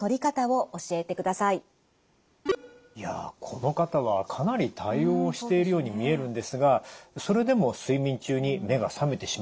この方はかなり対応しているように見えるんですがそれでも睡眠中に目が覚めてしまうということなんですね。